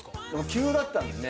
急だったんですね。